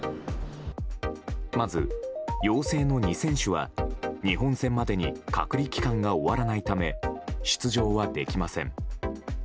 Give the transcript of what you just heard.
まず陽性の２選手は日本戦までに隔離期間が終わらないため出場はできません。